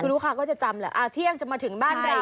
คือลูกค้าก็จะจำแหละเที่ยงจะมาถึงบ้านเรา